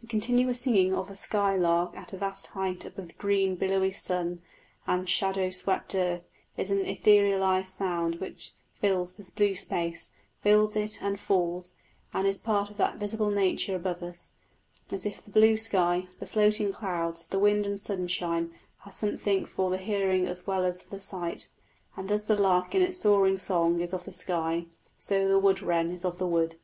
The continuous singing of a skylark at a vast height above the green, billowy sun and shadow swept earth is an etherealised sound which fills the blue space, fills it and falls, and is part of that visible nature above us, as if the blue sky, the floating clouds, the wind and sunshine, has something for the hearing as well as for the sight. And as the lark in its soaring song is of the sky, so the wood wren is of the wood.